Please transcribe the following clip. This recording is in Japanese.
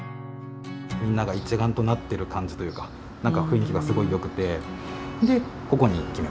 みんなが一丸となってる感じというか雰囲気がすごいよくてここに決めました。